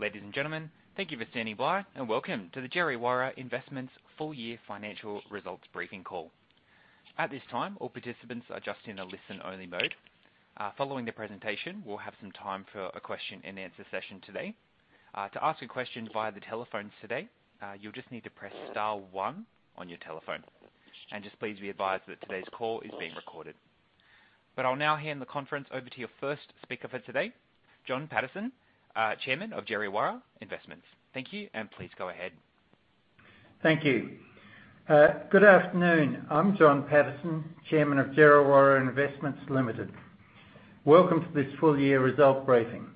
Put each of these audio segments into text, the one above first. Ladies and gentlemen, thank you for standing by, and welcome to the Djerriwarrh Investments full year financial results briefing call. At this time, all participants are just in a listen-only mode. Following the presentation, we'll have some time for a question-and answer session today. To ask a question via the telephones today, you'll just need to press star one on your telephone. Just please be advised that today's call is being recorded. I'll now hand the conference over to your first speaker for today, John Paterson, Chairman of Djerriwarrh Investments. Thank you, and please go ahead. Thank you. Good afternoon. I'm John Paterson, Chairman of Djerriwarrh Investments Limited. Welcome to this full-year result briefing.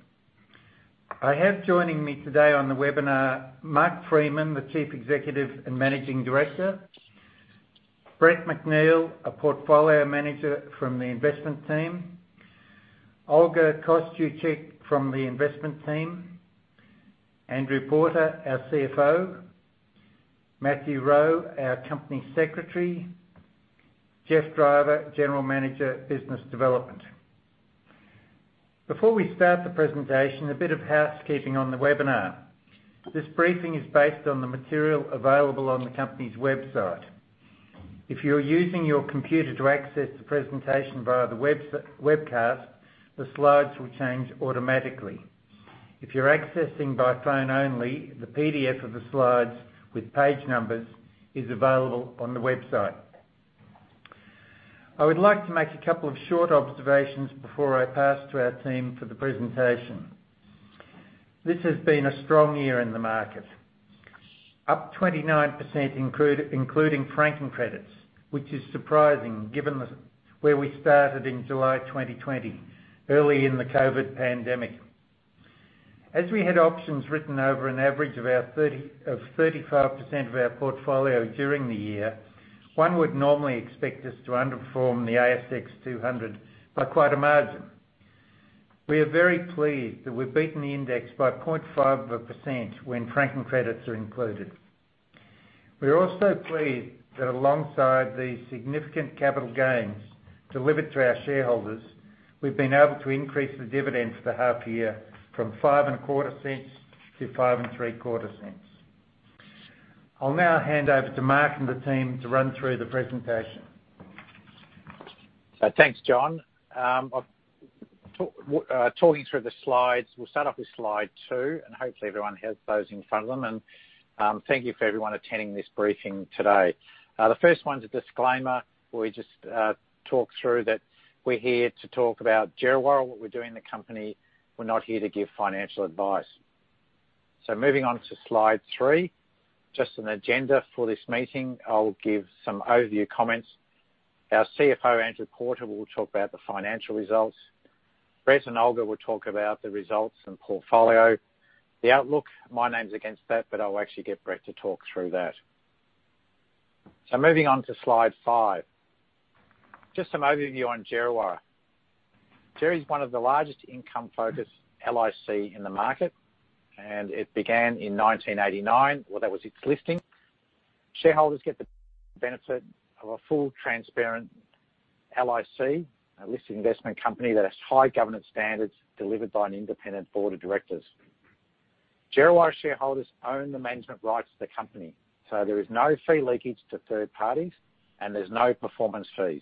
I have joining me today on the webinar, Mark Freeman, the Chief Executive and Managing Director; Brett McNeill, a Portfolio Manager from the investment team; Olga Kosciuczyk from the investment team; Andrew Porter, our CFO; Matthew Rowe, our Company Secretary; Geoff Driver, General Manager, Business Development. Before we start the presentation, a bit of housekeeping on the webinar. This briefing is based on the material available on the company's website. If you're using your computer to access the presentation via the webcast, the slides will change automatically. If you're accessing by phone only, the PDF of the slides with page numbers is available on the website. I would like to make a couple of short observations before I pass to our team for the presentation. This has been a strong year in the market, up 29% including franking credits, which is surprising given where we started in July 2020, early in the COVID-19 pandemic. As we had options written over an average of 35% of our portfolio during the year, one would normally expect us to underperform the ASX 200 by quite a margin. We are very pleased that we've beaten the index by 0.5% when franking credits are included. We are also pleased that alongside the significant capital gains delivered to our shareholders, we've been able to increase the dividends for half year from five and a quarter cents to five and three quarter cents. I'll now hand over to Mark and the team to run through the presentation. Thanks, John. Talking through the slides, we will start off with slide two, and hopefully everyone has those in front of them, and thank you for everyone attending this briefing today. The first one's a disclaimer. We just talk through that we're here to talk about Djerriwarrh, what we're doing in the company. We're not here to give financial advice. Moving on to slide three, just an agenda for this meeting. I'll give some overview comments. Our CFO, Andrew Porter, will talk about the financial results. Brett and Olga will talk about the results and portfolio. The outlook, my name's against that, but I'll actually get Brett to talk through that. Moving on to slide five. Just some overview on Djerriwarrh. Djerri's one of the largest income-focused LIC in the market, and it began in 1989. Well, that was its listing. Shareholders get the benefit of a full, transparent LIC, a listed investment company that has high governance standards delivered by an independent board of directors. Djerriwarrh shareholders own the management rights to the company, so there is no fee leakage to third parties, and there's no performance fees.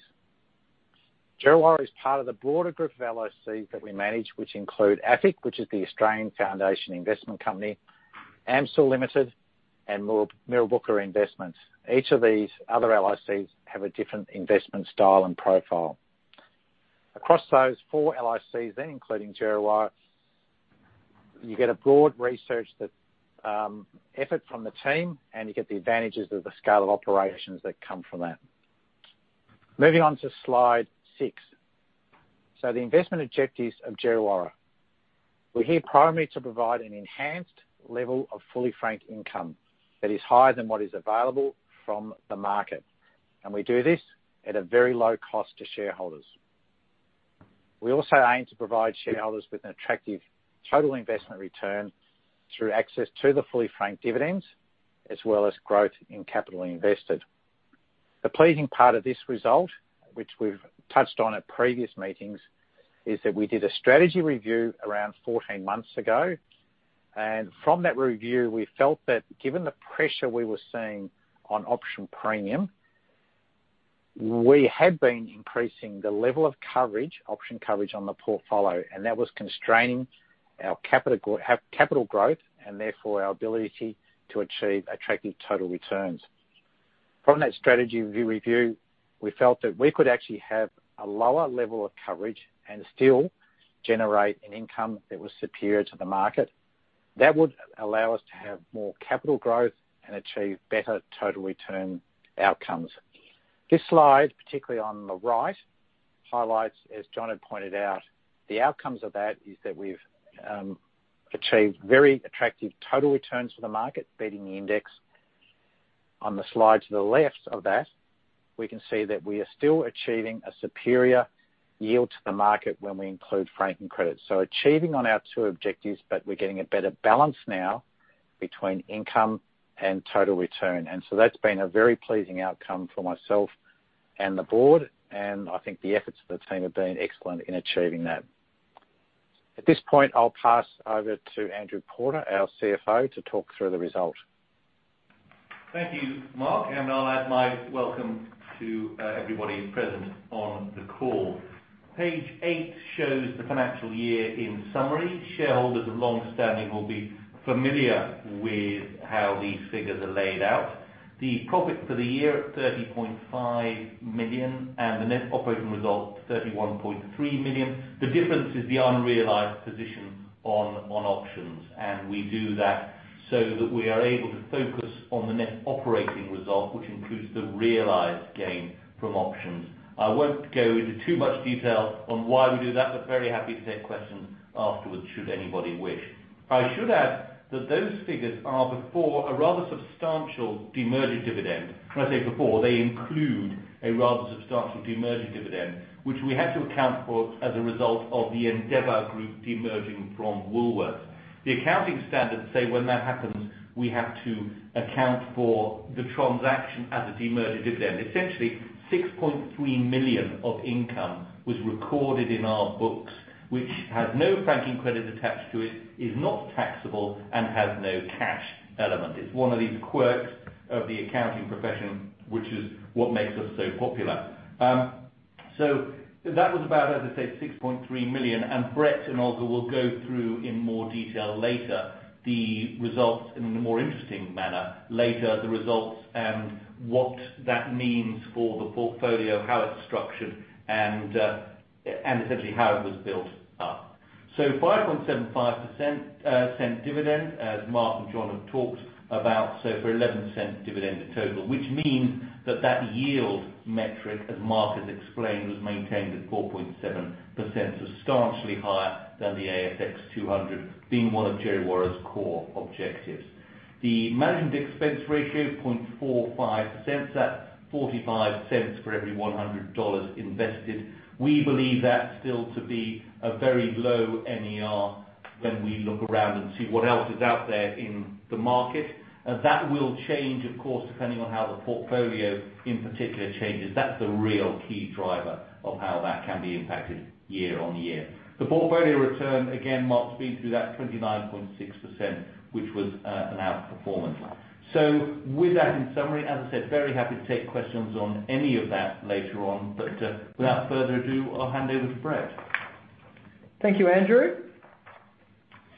Djerriwarrh is part of the broader group of LICs that we manage, which include AFIC, which is the Australian Foundation Investment Company, AMCIL Limited, and Mirrabooka Investments. Each of these other LICs have a different investment style and profile. Across those four LICs then, including Djerriwarrh, you get a broad research effort from the team, and you get the advantages of the scale of operations that come from that. Moving on to slide 6. The investment objectives of Djerriwarrh. We're here primarily to provide an enhanced level of fully franked income that is higher than what is available from the market, and we do this at a very low cost to shareholders. We also aim to provide shareholders with an attractive total investment return through access to the fully franked dividends, as well as growth in capital invested. The pleasing part of this result, which we've touched on at previous meetings, is that we did a strategy review around 14 months ago. From that review, we felt that given the pressure we were seeing on option premium, we had been increasing the level of coverage, option coverage on the portfolio. That was constraining our capital growth and therefore our ability to achieve attractive total returns. From that strategy review, we felt that we could actually have a lower level of coverage and still generate an income that was superior to the market. That would allow us to have more capital growth and achieve better total return outcomes. This slide, particularly on the right, highlights, as John had pointed out, the outcomes of that is that we've achieved very attractive total returns for the market, beating the index. On the slide to the left of that, we can see that we are still achieving a superior yield to the market when we include franking credits. Achieving on our two objectives, but we're getting a better balance now between income and total return. That's been a very pleasing outcome for myself and the board, and I think the efforts of the team have been excellent in achieving that. At this point, I'll pass over to Andrew Porter, our CFO, to talk through the result. Thank you, Mark. I'll add my welcome to everybody present on the call. Page eight shows the financial year in summary. Shareholders of long standing will be familiar with how these figures are laid out. The profit for the year at 30.5 million and the net operating result, 31.3 million. The difference is the unrealized position on options. We do that so that we are able to focus on the net operating result, which includes the realized gain from options. I won't go into too much detail on why we do that. Very happy to take questions afterwards should anybody wish. I should add that those figures are before a rather substantial demerger dividend. When I say before, they include a rather substantial demerger dividend, which we had to account for as a result of the Endeavour Group demerging from Woolworths. The accounting standards say when that happens, we have to account for the transaction as a demerger dividend. Essentially, 6.3 million of income was recorded in our books, which has no franking credits attached to it, is not taxable, and has no cash element. It's one of these quirks of the accounting profession, which is what makes us so popular. That was about, as I said, 6.3 million, and Brett and Olga will go through in more detail later, the results in a more interesting manner later, the results and what that means for the portfolio, how it's structured and essentially how it was built up. 5.75% dividend, as Mark and John have talked about, so for 0.11 dividend total, which means that that yield metric, as Mark has explained, was maintained at 4.7%, substantially higher than the ASX 200, being one of Djerriwarrh's core objectives. The management expense ratio, AUD 0.0045 at 0.45 for every AUD 100 invested. We believe that still to be a very low NER when we look around and see what else is out there in the market. That will change, of course, depending on how the portfolio in particular changes. That's the real key driver of how that can be impacted year-on-year. The portfolio return, again, Mark's been through that 29.6%, which was an outperformance. With that in summary, as I said, very happy to take questions on any of that later on. Without further ado, I'll hand over to Brett. Thank you, Andrew.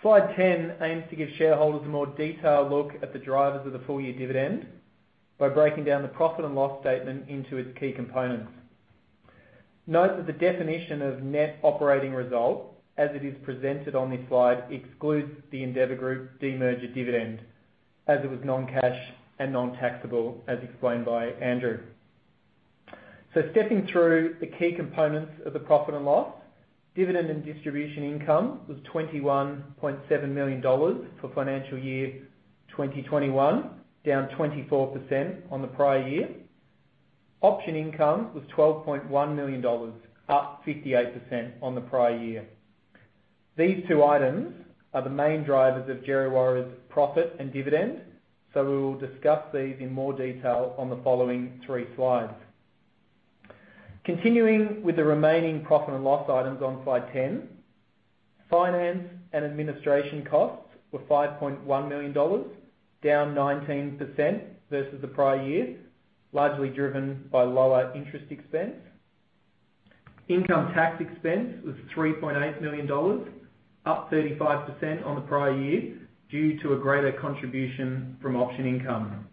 Slide 10 aims to give shareholders a more detailed look at the drivers of the full-year dividend by breaking down the profit and loss statement into its key components. Note that the definition of net operating result, as it is presented on this slide, excludes the Endeavour Group demerger dividend, as it was non-cash and non-taxable, as explained by Andrew. Stepping through the key components of the profit and loss. Dividend and distribution income was 21.7 million dollars for financial year 2021, down 24% on the prior year. Option income was 12.1 million dollars, up 58% on the prior year. These two items are the main drivers of Djerriwarrh's profit and dividend, we will discuss these in more detail on the following three slides. Continuing with the remaining profit and loss items on Slide 10. Finance and administration costs were 5.1 million dollars, down 19% versus the prior year, largely driven by lower interest expense. Income tax expense was 3.8 million dollars, up 35% on the prior year, due to a greater contribution from option income.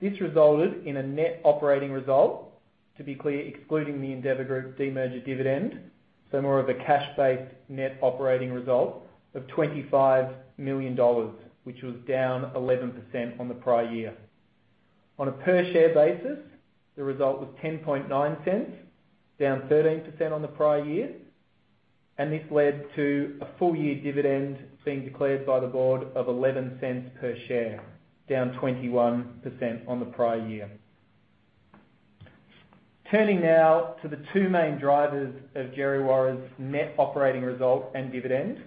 This resulted in a net operating result, to be clear, excluding the Endeavour Group demerger dividend, so more of a cash-based net operating result of 25 million dollars, which was down 11% on the prior year. On a per share basis, the result was 0.109, down 13% on the prior year, and this led to a full year dividend being declared by the board of 0.11 per share, down 21% on the prior year. Turning now to the two main drivers of Djerriwarrh's net operating result and dividend,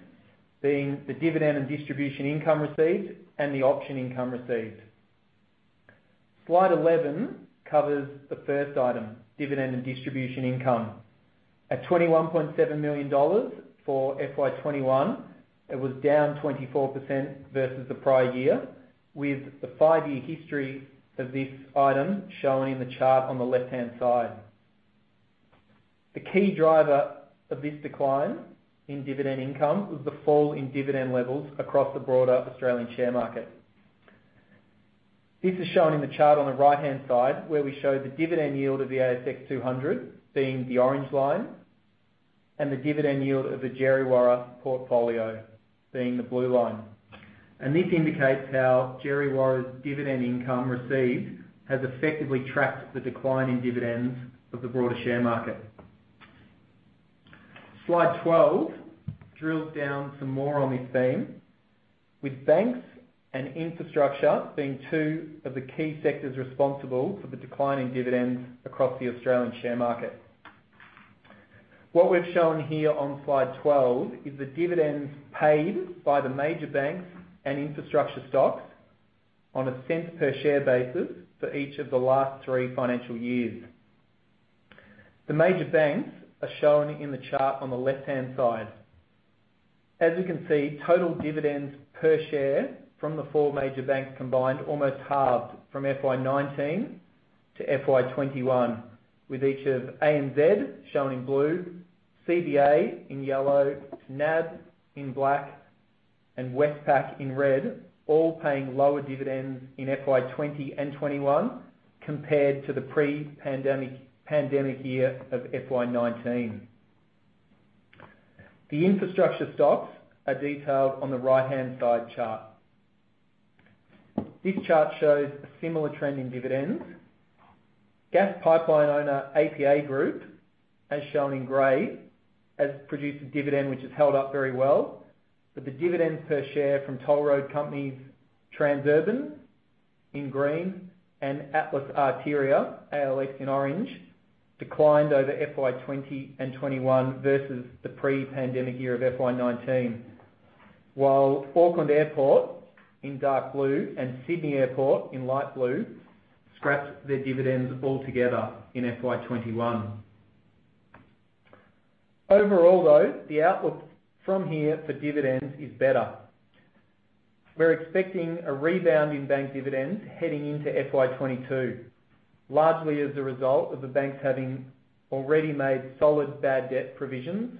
being the dividend and distribution income received and the option income received. Slide 11 covers the first item, dividend and distribution income. At 21.7 million dollars for FY 2021, it was down 24% versus the prior year, with the five-year history of this item shown in the chart on the left-hand side. The key driver of this decline in dividend income was the fall in dividend levels across the broader Australian share market. This is shown in the chart on the right-hand side, where we show the dividend yield of the ASX 200 being the orange line, and the dividend yield of the Djerriwarrh portfolio being the blue line. This indicates how Djerriwarrh's dividend income received has effectively tracked the decline in dividends of the broader share market. Slide 12 drills down some more on this theme, with banks and infrastructure being two of the key sectors responsible for the decline in dividends across the Australian share market. What we've shown here on Slide 12 is the dividends paid by the major banks and infrastructure stocks on a cent per share basis for each of the last three financial years. The major banks are shown in the chart on the left-hand side. As you can see, total dividends per share from the four major banks combined almost halved from FY 2019 to FY 2021, with each of ANZ, shown in blue, CBA in yellow, NAB in black, and Westpac in red, all paying lower dividends in FY 2020 and FY 2021 compared to the pre-pandemic year of FY 2019. The infrastructure stocks are detailed on the right-hand side chart. This chart shows a similar trend in dividends. Gas pipeline owner APA Group, as shown in gray, has produced a dividend which has held up very well, but the dividends per share from toll road companies Transurban in green and Atlas Arteria, ALX, in orange, declined over FY 2020 and 2021 versus the pre-pandemic year of FY 2019. While Auckland Airport in dark blue and Sydney Airport in light blue scrapped their dividends altogether in FY 2021. Overall, though, the outlook from here for dividends is better. We're expecting a rebound in bank dividends heading into FY 2022, largely as a result of the banks having already made solid bad debt provisions.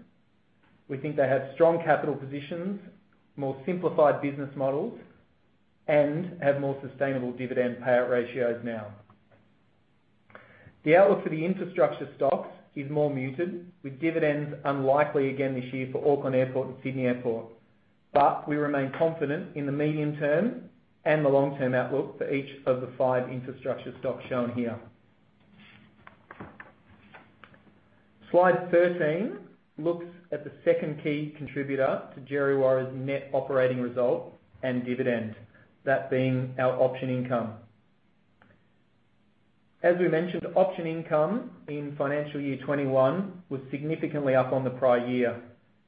We think they have strong capital positions, more simplified business models, and have more sustainable dividend payout ratios now. The outlook for the infrastructure stocks is more muted, with dividends unlikely again this year for Auckland Airport and Sydney Airport. We remain confident in the medium term and the long-term outlook for each of the five infrastructure stocks shown here. Slide 13 looks at the second key contributor to Djerriwarrh's net operating result and dividend, that being our option income. As we mentioned, option income in financial year 2021 was significantly up on the prior year,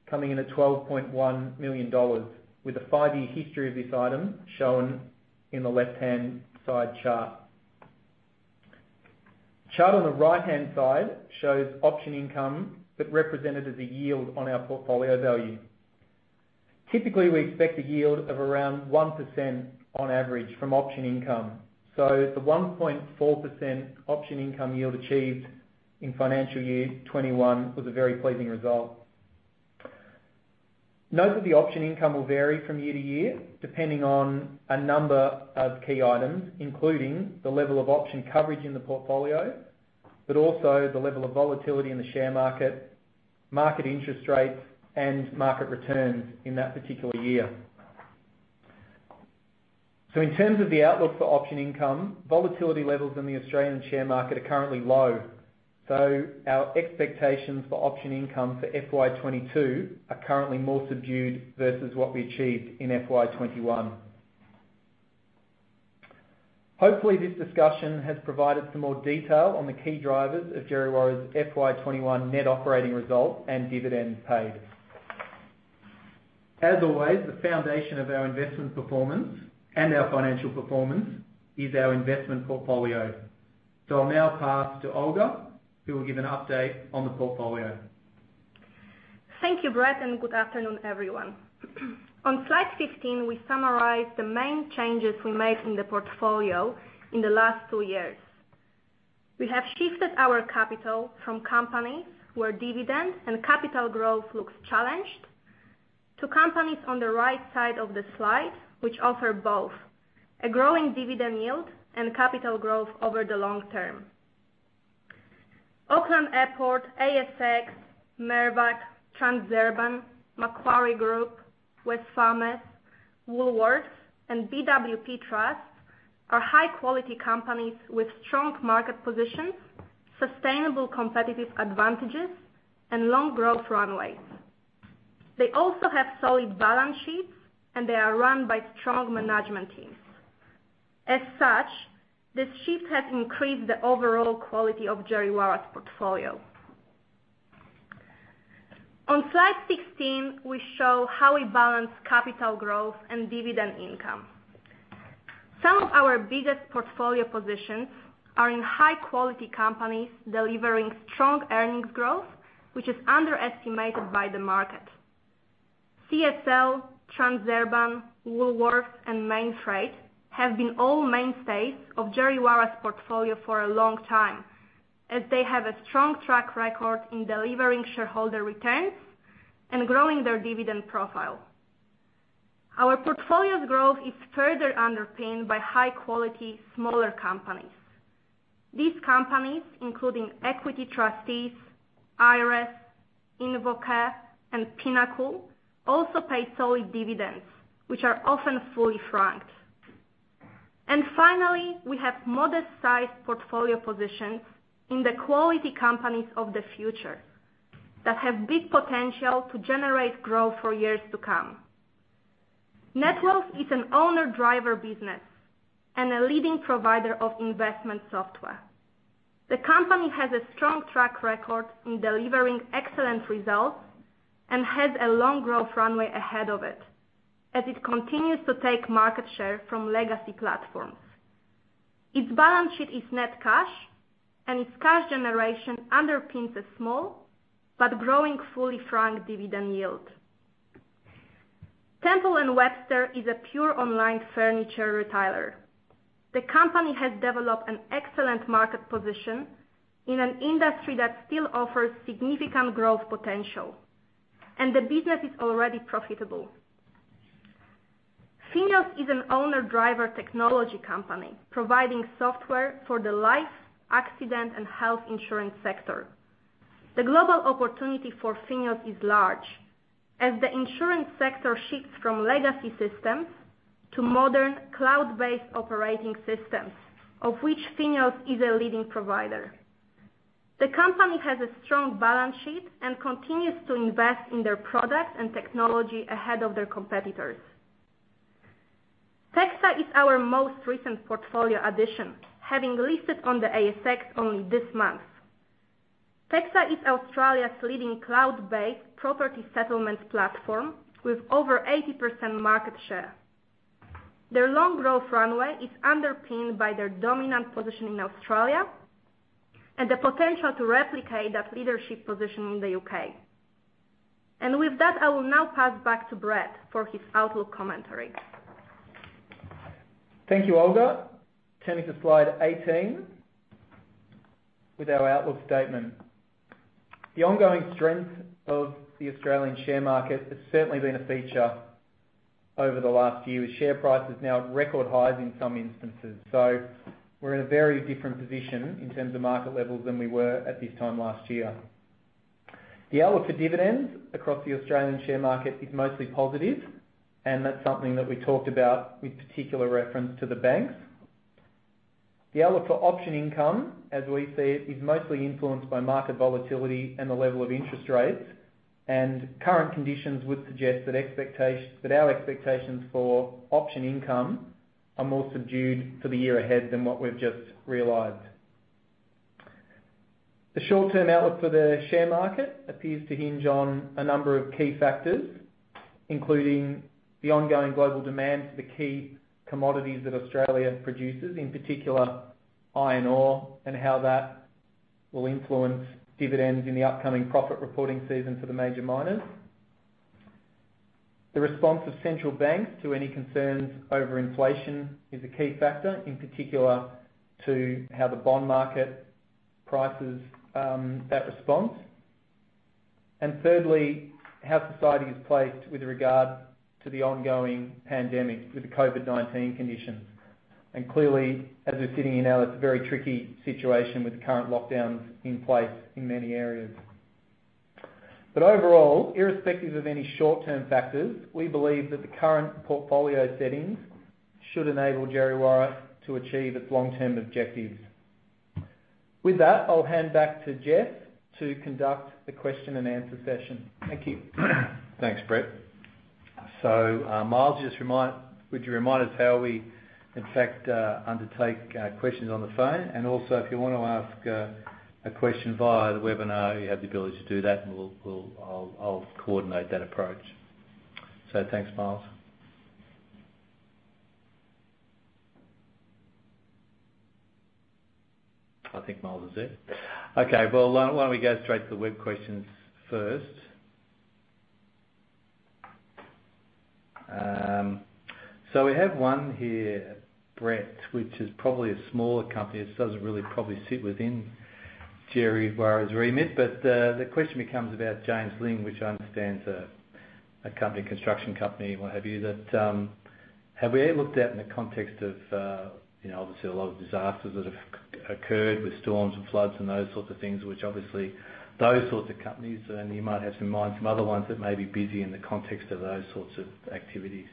coming in at 12.1 million dollars, with a five-year history of this item shown in the left-hand side chart. Chart on the right-hand side shows option income but represented as a yield on our portfolio value. Typically, we expect a yield of around 1% on average from option income. The 1.4% option income yield achieved in financial year 2021 was a very pleasing result. Note that the option income will vary from year to year, depending on a number of key items, including the level of option coverage in the portfolio, but also the level of volatility in the share market interest rates, and market returns in that particular year. In terms of the outlook for option income, volatility levels in the Australian share market are currently low. Our expectations for option income for FY 2022 are currently more subdued versus what we achieved in FY 2021. Hopefully, this discussion has provided some more detail on the key drivers of Djerriwarrh's FY 2021 net operating result and dividends paid. As always, the foundation of our investment performance and our financial performance is our investment portfolio. I'll now pass to Olga, who will give an update on the portfolio. Thank you, Brett, and good afternoon, everyone. On slide 15, we summarize the main changes we made in the portfolio in the last two years. We have shifted our capital from companies where dividend and capital growth looks challenged to companies on the right side of the slide, which offer both a growing dividend yield and capital growth over the long term. Auckland Airport, ASX, Mirvac, Transurban, Macquarie Group, Wesfarmers, Woolworths, and BWP Trust are high-quality companies with strong market positions, sustainable competitive advantages, and long growth runways. They also have solid balance sheets, and they are run by strong management teams. As such, this shift has increased the overall quality of Djerriwarrh's portfolio. On slide 16, we show how we balance capital growth and dividend income. Some of our biggest portfolio positions are in high-quality companies delivering strong earnings growth, which is underestimated by the market. CSL, Transurban, Woolworths, and Mainfreight have been all mainstays of Djerriwarrh's portfolio for a long time, as they have a strong track record in delivering shareholder returns and growing their dividend profile. Our portfolio's growth is further underpinned by high-quality smaller companies. These companies, including Equity Trustees, Iress, InvoCare, and Pinnacle, also pay solid dividends, which are often fully franked. Finally, we have modest-sized portfolio positions in the quality companies of the future that have big potential to generate growth for years to come. Netwealth is an owner-driver business and a leading provider of investment software. The company has a strong track record in delivering excellent results and has a long growth runway ahead of it as it continues to take market share from legacy platforms. Its balance sheet is net cash, and its cash generation underpins a small but growing fully franked dividend yield. Temple & Webster is a pure online furniture retailer. The company has developed an excellent market position in an industry that still offers significant growth potential, and the business is already profitable. FINEOS is an owner-driver technology company providing software for the life, accident, and health insurance sector. The global opportunity for FINEOS is large as the insurance sector shifts from legacy systems to modern cloud-based operating systems, of which FINEOS is a leading provider. The company has a strong balance sheet and continues to invest in their products and technology ahead of their competitors. PEXA is our most recent portfolio addition, having listed on the ASX only this month. PEXA is Australia's leading cloud-based property settlement platform with over 80% market share. Their long growth runway is underpinned by their dominant position in Australia and the potential to replicate that leadership position in the U.K. With that, I will now pass back to Brett for his outlook commentary. Thank you, Olga. Turning to slide 18 with our outlook statement. The ongoing strength of the Australian share market has certainly been a feature over the last year, with share prices now at record highs in some instances. We're in a very different position in terms of market levels than we were at this time last year. The outlook for dividends across the Australian share market is mostly positive, that's something that we talked about with particular reference to the banks. The outlook for option income, as we see it, is mostly influenced by market volatility and the level of interest rates. Current conditions would suggest that our expectations for option income are more subdued for the year ahead than what we've just realized. The short-term outlook for the share market appears to hinge on a number of key factors, including the ongoing global demand for the key commodities that Australia produces, in particular iron ore, and how that will influence dividends in the upcoming profit reporting season for the major miners. The response of central banks to any concerns over inflation is a key factor, in particular to how the bond market prices that response. Thirdly, how society is placed with regard to the ongoing pandemic with the COVID-19 conditions. Clearly, as we're sitting here now, it's a very tricky situation with the current lockdowns in place in many areas. Overall, irrespective of any short-term factors, we believe that the current portfolio settings should enable Djerriwarrh to achieve its long-term objectives. With that, I'll hand back to Geoff to conduct the question-and-answer session. Thank you. Thanks, Brett. Miles, would you remind us how we in fact undertake questions on the phone? Also, if you want to ask a question via the webinar, you have the ability to do that and I'll coordinate that approach. Thanks, Miles. I think Miles is there. Okay. Well, why don't we go straight to the web questions first? We have one here, Brett, which is probably a smaller company that doesn't really probably sit within Djerriwarrh's remit. The question becomes about Johns Lyng, which I understand is a construction company, what have you. Have we looked at in the context of obviously a lot of disasters that have occurred with storms and floods and those sorts of things, which obviously those sorts of companies, and you might have some minds from other ones that may be busy in the context of those sorts of activities?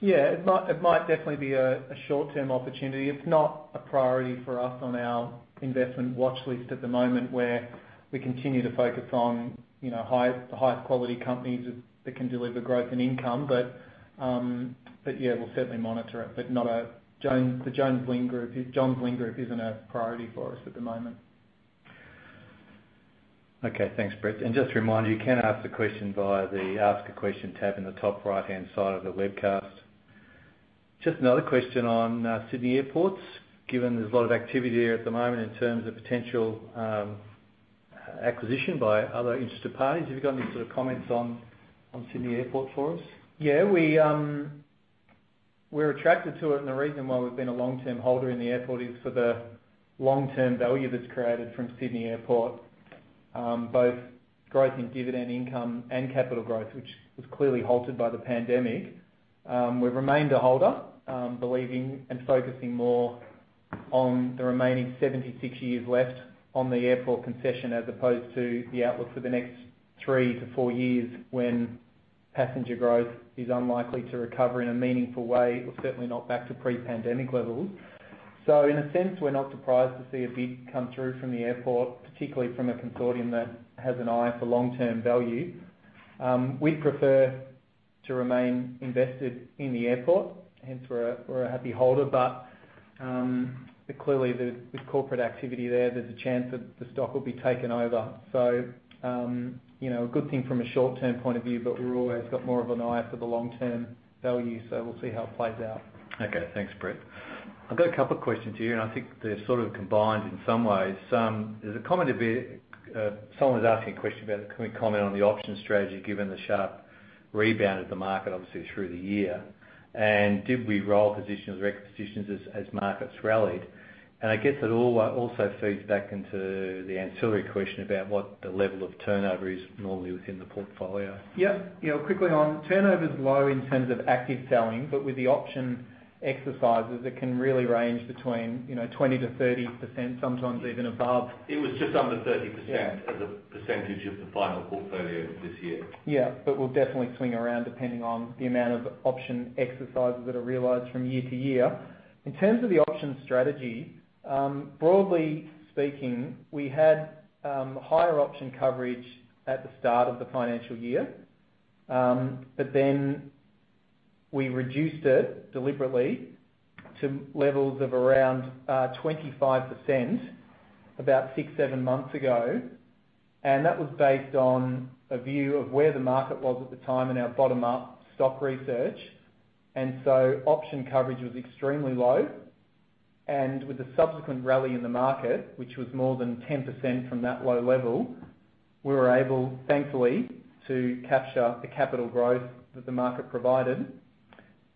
Yeah. It might definitely be a short-term opportunity. It's not a priority for us on our investment watchlist at the moment, where we continue to focus on highest quality companies that can deliver growth and income. Yeah, we'll certainly monitor it. The Johns Lyng Group isn't a priority for us at the moment. Okay. Thanks, Brett. Just a reminder, you can ask a question via the Ask a Question tab in the top right-hand side of the webcast. Just another question on Sydney Airport. Given there's a lot of activity there at the moment in terms of potential acquisition by other interested parties, have you got any sort of comments on Sydney Airport for us? We're attracted to it, and the reason why we've been a long-term holder in the airport is for the long-term value that's created from Sydney Airport, both growth in dividend income and capital growth, which was clearly halted by the pandemic. We've remained a holder, believing and focusing more on the remaining 76 years left on the airport concession as opposed to the outlook for the next three to four years when passenger growth is unlikely to recover in a meaningful way, or certainly not back to pre-pandemic levels. Okay In a sense, we're not surprised to see a bid come through from the airport, particularly from a consortium that has an eye for long-term value. We'd prefer to remain invested in the airport, hence we're a happy holder. Clearly, there's corporate activity there. There's a chance that the stock will be taken over. A good thing from a short-term point of view, but we've always got more of an eye for the long-term value. We'll see how it plays out. Okay. Thanks, Brett. I've got a couple of questions here, and I think they're sort of combined in some ways. Someone was asking a question about, can we comment on the option strategy given the sharp rebound of the market, obviously, through the year. Did we roll positions or wreck positions as markets rallied? I guess that also feeds back into the ancillary question about what the level of turnover is normally within the portfolio. Yep. Quickly on, turnover's low in terms of active selling, but with the option exercises, it can really range between 20%-30%, sometimes even above. It was just under 30%. Yeah As a % of the final portfolio this year. Yeah. We'll definitely swing around depending on the amount of option exercises that are realized from year to year. In terms of the options strategy, broadly speaking, we had higher option coverage at the start of the financial year. We reduced it deliberately to levels of around 25% about six, seven months ago. That was based on a view of where the market was at the time in our bottom-up stock research. Option coverage was extremely low. With the subsequent rally in the market, which was more than 10% from that low level, we were able, thankfully, to capture the capital growth that the market provided.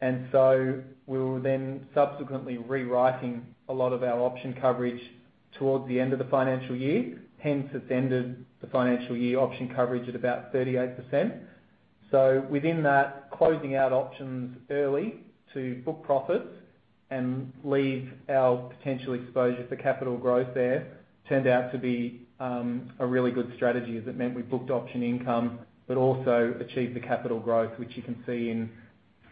We were then subsequently rewriting a lot of our option coverage towards the end of the financial year, hence it's ended the financial year option coverage at about 38%. Within that, closing out options early to book profits and leave our potential exposure for capital growth there turned out to be a really good strategy as it meant we booked option income, but also achieved the capital growth, which you can see in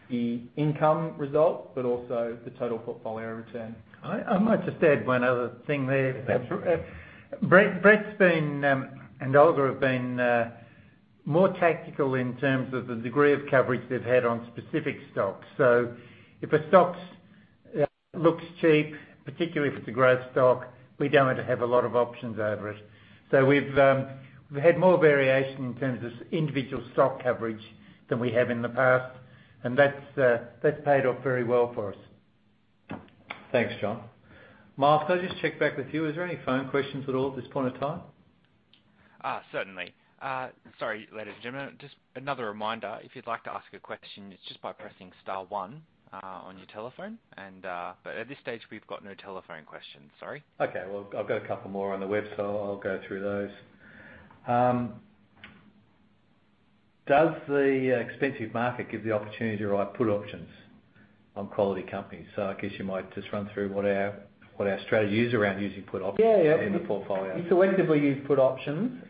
the income result, but also the total portfolio return. I might just add one other thing there. Yeah, sure. Brett and Olga have been more tactical in terms of the degree of coverage they've had on specific stocks. If a stock looks cheap, particularly if it's a growth stock, we don't want to have a lot of options over it. We've had more variation in terms of individual stock coverage than we have in the past, and that's paid off very well for us. Thanks, John. Mark, could I just check back with you? Is there any phone questions at all at this point in time? Certainly. Sorry, ladies and gentlemen, just another reminder. If you'd like to ask a question, it's just by pressing star 1 on your telephone. At this stage, we've got no telephone questions, sorry. Okay. Well, I've got a couple more on the web, so I'll go through those. Does the expensive market give the opportunity to write put options on quality companies? I guess you might just run through what our strategy is around using put options. Yeah In the portfolio. We selectively use put options.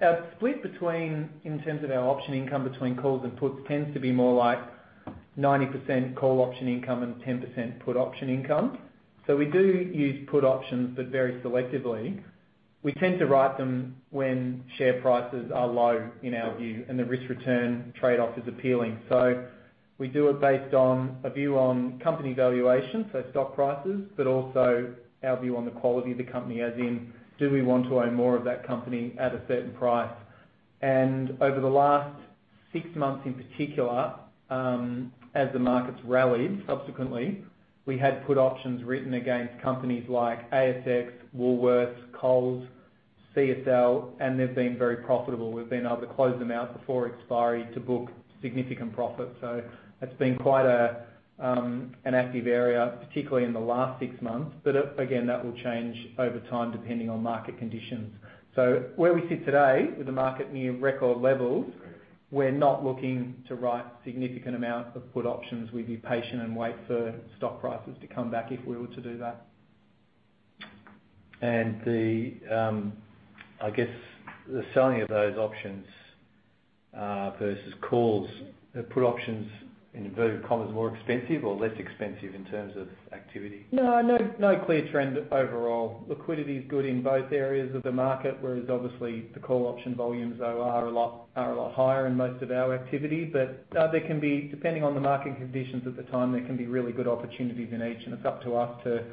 Our split between, in terms of our option income between calls and puts, tends to be more like 90% call option income and 10% put option income. We do use put options, but very selectively. We tend to write them when share prices are low in our view, and the risk-return trade-off is appealing. We do it based on a view on company valuation, so stock prices, but also our view on the quality of the company, as in, do we want to own more of that company at a certain price? Over the last six months in particular, as the market's rallied subsequently, we had put options written against companies like ASX, Woolworths, Coles, CSL, and they've been very profitable. We've been able to close them out before expiry to book significant profit. That's been quite an active area, particularly in the last six months. Again, that will change over time depending on market conditions. Where we sit today with the market near record levels, we're not looking to write significant amounts of put options. We'd be patient and wait for stock prices to come back if we were to do that. I guess the selling of those options versus calls or put options, inverted commas more expensive or less expensive in terms of activity? No, no clear trend overall. Liquidity is good in both areas of the market, whereas obviously the call option volumes though are a lot higher in most of our activity. Depending on the market conditions at the time, there can be really good opportunities in each, and it's up to us to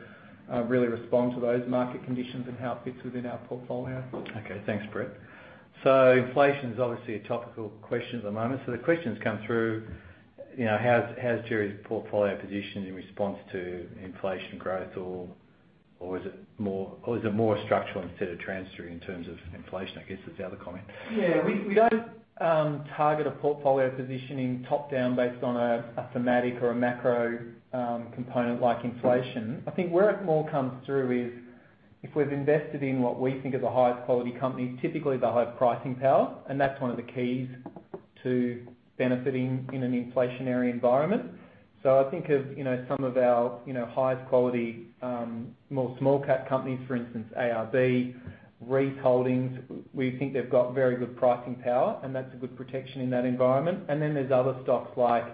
really respond to those market conditions and how it fits within our portfolio. Okay. Thanks, Brett. Inflation is obviously a topical question at the moment. The question's come through, how's Djerri's portfolio position in response to inflation growth or is it more structural instead of transitory in terms of inflation, I guess is the other comment? We don't target a portfolio positioning top-down based on a thematic or a macro component like inflation. I think where it more comes through is if we've invested in what we think are the highest quality companies, typically they'll have pricing power, and that's one of the keys to benefiting in an inflationary environment. I think of some of our highest quality, more small cap companies, for instance, ARB, Reece Limited, we think they've got very good pricing power, and that's a good protection in that environment. Then there's other stocks like.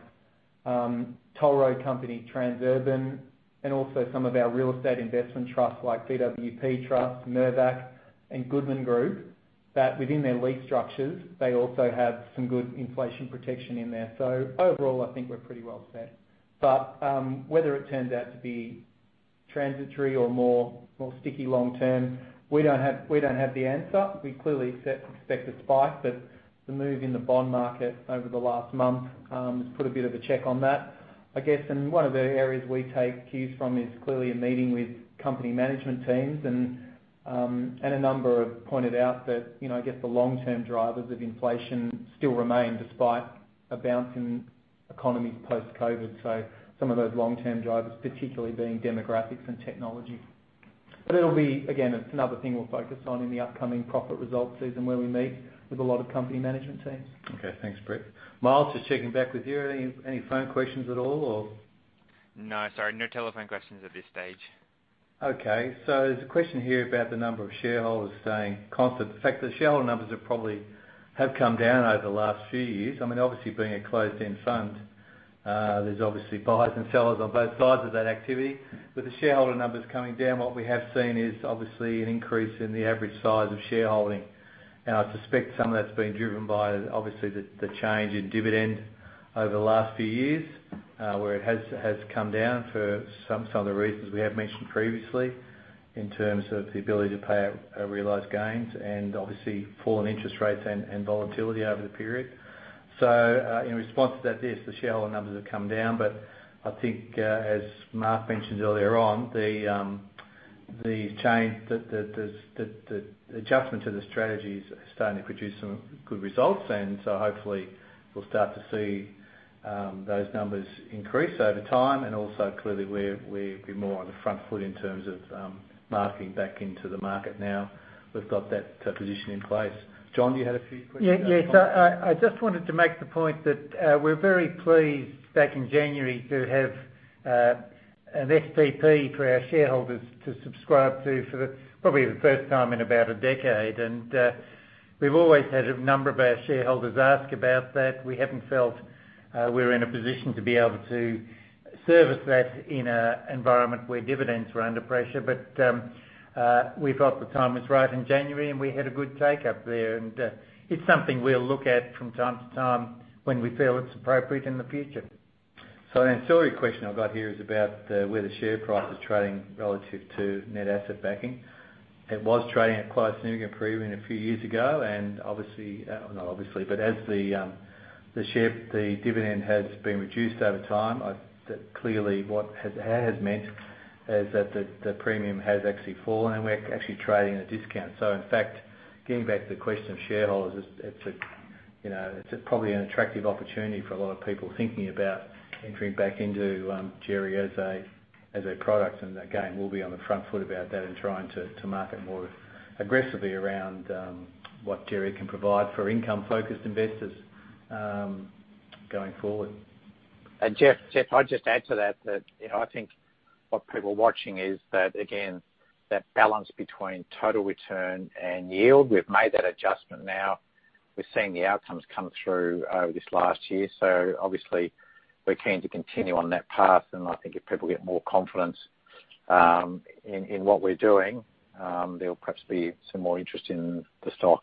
Toll road company Transurban, and also some of our real estate investment trusts like BWP Trust, Mirvac, and Goodman Group, that within their lease structures, they also have some good inflation protection in there. Overall, I think we're pretty well set. Whether it turns out to be transitory or more sticky long term, we don't have the answer. We clearly expect a spike, but the move in the bond market over the last month has put a bit of a check on that. I guess, one of the areas we take cues from is clearly in meeting with company management teams, and a number have pointed out that, I guess, the long-term drivers of inflation still remain despite a bounce in economies post-COVID-19. Some of those long-term drivers, particularly being demographics and technology. It'll be, again, it's another thing we'll focus on in the upcoming profit results season where we meet with a lot of company management teams. Okay. Thanks, Brett. Miles, just checking back with you. Any phone questions at all, or? No, sorry, no telephone questions at this stage. Okay. There's a question here about the number of shareholders staying constant. In fact, the shareholder numbers have probably have come down over the last few years. I mean, obviously being a closed-end fund, there's obviously buyers and sellers on both sides of that activity. With the shareholder numbers coming down, what we have seen is obviously an increase in the average size of shareholding. I suspect some of that's been driven by, obviously, the change in dividend over the last few years, where it has come down for some of the reasons we have mentioned previously in terms of the ability to pay our realized gains and obviously fallen interest rates and volatility over the period. In response to that, yes, the shareholder numbers have come down, but I think, as Mark mentioned earlier on, the adjustment to the strategy is starting to produce some good results, hopefully we'll start to see those numbers increase over time. Also, clearly, we're more on the front foot in terms of marketing back into the market now we've got that position in place. John, you had a few points you wanted to make? Yeah. Yes. I just wanted to make the point that we're very pleased back in January to have an SPP for our shareholders to subscribe to for probably the first time in about a decade. We've always had a number of our shareholders ask about that. We haven't felt we were in a position to be able to service that in a environment where dividends were under pressure. We thought the time was right in January, and we had a good take-up there. It's something we'll look at from time to time when we feel it's appropriate in the future. An ancillary question I've got here is about where the share price is trading relative to net asset backing. It was trading at quite a significant premium a few years ago, but as the dividend has been reduced over time, clearly what that has meant is that the premium has actually fallen and we're actually trading at a discount. In fact, getting back to the question of shareholders, it's probably an attractive opportunity for a lot of people thinking about entering back into Djerri as a product. Again, we'll be on the front foot about that and trying to market more aggressively around what Djerri can provide for income-focused investors going forward. Geoff, I'd just add to that I think what people watching is that, again, that balance between total return and yield, we've made that adjustment now. We're seeing the outcomes come through over this last year. Obviously we're keen to continue on that path. I think if people get more confidence in what we're doing, there'll perhaps be some more interest in the stock.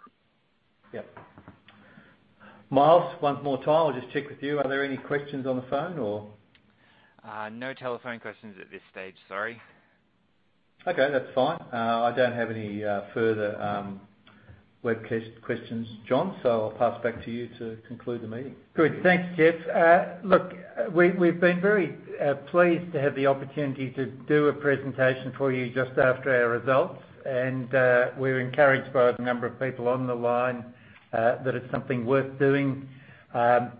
Yep. Miles, one more time, I'll just check with you. Are there any questions on the phone, or? No telephone questions at this stage, sorry. Okay, that's fine. I don't have any further webcast questions, John, so I'll pass back to you to conclude the meeting. Good. Thanks, Geoff. Look, we've been very pleased to have the opportunity to do a presentation for you just after our results, and we're encouraged by the number of people on the line that it's something worth doing. Our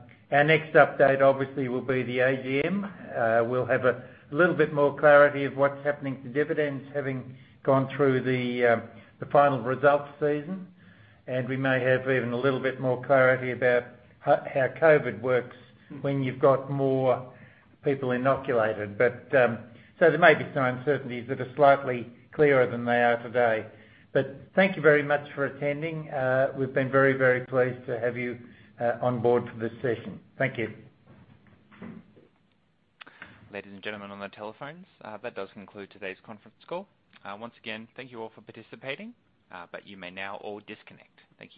next update obviously will be the AGM. We'll have a little bit more clarity of what's happening to dividends, having gone through the final results season, and we may have even a little bit more clarity about how COVID-19 works when you've got more people inoculated. There may be some uncertainties that are slightly clearer than they are today. Thank you very much for attending. We've been very, very pleased to have you on board for this session. Thank you. Ladies and gentlemen on the telephones, that does conclude today's conference call. Once again, thank you all for participating, but you may now all disconnect. Thank you.